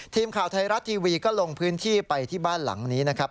ทีมข่าวไทยรัฐทีวีก็ลงพื้นที่ไปที่บ้านหลังนี้นะครับ